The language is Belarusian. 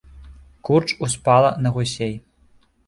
Курч успала на гусей.